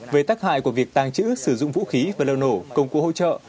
về tác hại của việc tàng trữ sử dụng vũ khí và liệu nổ công cụ hỗ trợ